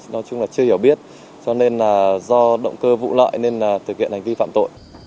nói chung là chưa hiểu biết cho nên là do động cơ vụ lợi nên thực hiện hành vi phạm tội